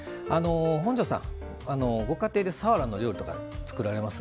本上さんご家庭でさわらの料理とか作られます？